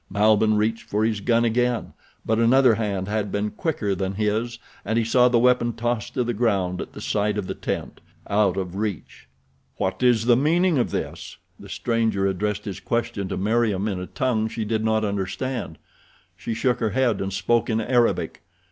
Malbihn reached for his gun again, but another hand had been quicker than his and he saw the weapon tossed to the ground at the side of the tent—out of reach. "What is the meaning of this?" the stranger addressed his question to Meriem in a tongue she did not understand. She shook her head and spoke in Arabic.